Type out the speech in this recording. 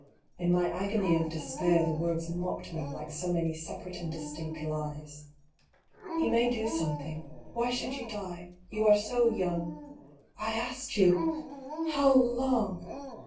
In my agony of despair the words mocked me like so many separate and distinct lies. " He may do something. Why should you die? You are so young "" I asked you, how long